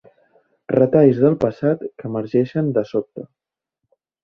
Retalls del passat que emergeixen de sobte.